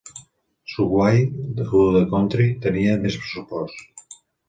'Subway to the Country' tenia més pressupost.